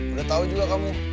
udah tau juga kamu